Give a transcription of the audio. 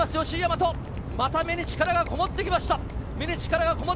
吉居大和、また目に力がこもってきました。